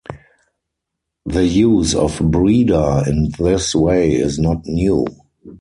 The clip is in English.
The use of "breeder" in this way is not new.